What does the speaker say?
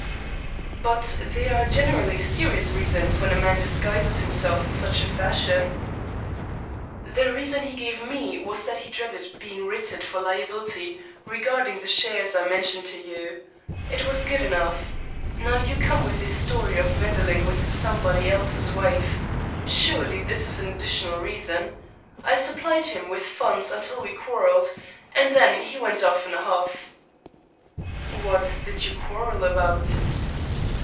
"But there are generally serious reasons when a man disguises himself in such fashion." "The reason he gave me was that he dreaded being writted for liability regarding the shares I mentioned to you. It was good enough. Now you come with this story of meddling with somebody else's wife. Surely this is an additional reason. I supplied him with funds until we quarrelled, and then he went off in a huff." "What did you quarrel about?"